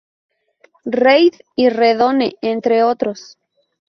Reid y RedOne, entre otros.